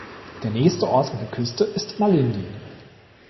Der nächste Ort an der Küste ist Malindi.